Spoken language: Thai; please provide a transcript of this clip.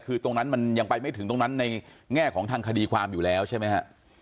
คือตรงนั้นมันยังไปไม่ถึงตรงนั้นในแง่ของทางคดีความอยู่แล้วใช่ไหมฮะ